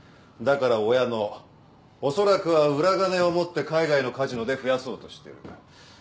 だから親のおそらくは裏金を持って海外のカジノで増やそうとしてる。